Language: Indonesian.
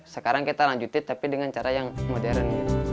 sekarang kita lanjutin tapi dengan cara yang modern